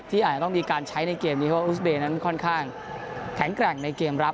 อาจจะต้องมีการใช้ในเกมนี้เพราะว่าอุสเบย์นั้นค่อนข้างแข็งแกร่งในเกมรับ